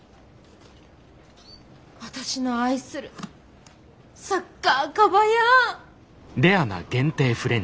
私の愛するサッカーカバヤーン。